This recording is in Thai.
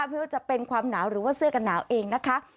ไม่ว่าจะเป็นความหนาวหรือว่าเสื้อกันหนาวเองนะคะ